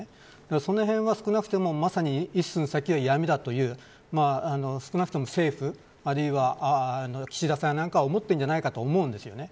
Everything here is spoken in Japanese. その辺はまさに一寸先は闇と少なくとも政府あるいは岸田さんなんかは思ってるんじゃないかと思うんですよね。